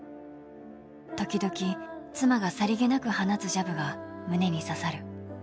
時々、妻がさりげなく放つジャブが胸に刺さる。